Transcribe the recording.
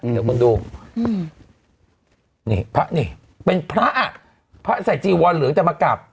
เดี๋ยวคุณดูอืมนี่พระนี่เป็นพระพระใส่จีวอนเหลืองจะมากลับ